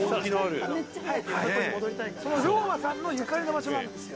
龍馬さんのゆかりの場所なんですよ。